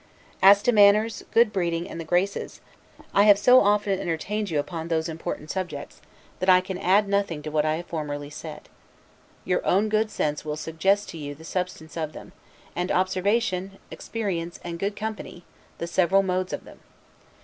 As to manners, good breeding, and the Graces, I have so often entertained you upon those important subjects, that I can add nothing to what I have formerly said. Your own good sense will suggest to you the substance of them; and observation, experience, and good company, the several modes of them.